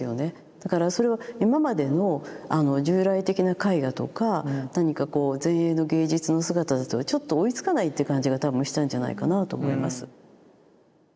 だからそれは今までの従来的な絵画とか何かこう前衛の芸術の姿だとちょっと追いつかないって感じが多分したんじゃないかなと思います。